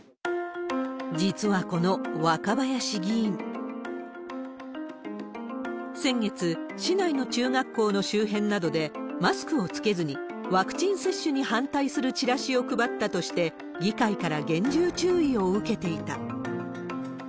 実はこの若林議員、先月、市内の中学校の周辺などで、マスクを着けずにワクチン接種に反対するチラシを配ったとして、議会から厳重注意を受けていた。